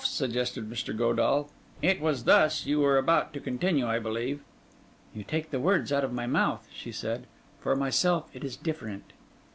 suggested Mr. Godall—'it was thus you were about to continue, I believe.' 'You take the words out of my mouth,' she said. 'For myself, it is different.